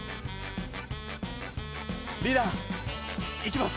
リーダーいきます。